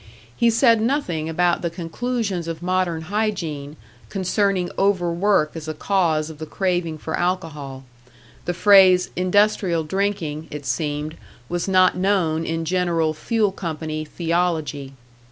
He said nothing about the conclusions of modern hygiene, concerning over work as a cause of the craving for alcohol; the phrase "industrial drinking," it seemed, was not known in General Fuel Company theology!